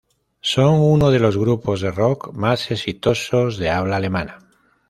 Son uno de los grupos de rock más exitosos de habla alemana.